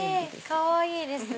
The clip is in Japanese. かわいいです！